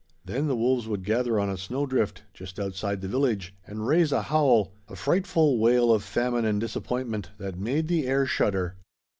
Then the wolves would gather on a snow drift just outside the village and raise a howl, a frightful wail of famine and disappointment, that made the air shudder.